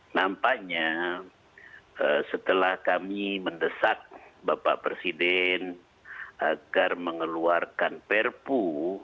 nampaknya setelah kami mendesak bapak presiden agar mengeluarkan perpu